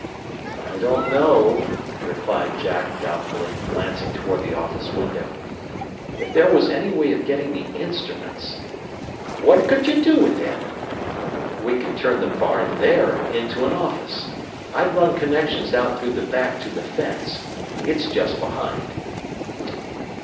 "I don't know," replied Jack doubtfully, glancing toward the office window. "If there was any way of getting the instruments " "What could you do with them?" "We could turn the barn there into an office. I'd run connections out through the back to the fence. It's just behind."